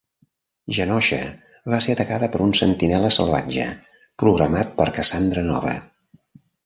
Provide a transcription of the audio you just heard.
Genosha va ser atacada per un "sentinella salvatge" programat per Cassandra Nova.